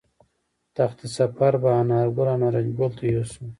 تخت سفر به انارګل او نارنج ګل ته یوسو